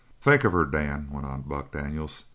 "Think of her, Dan!" went on Buck Daniels.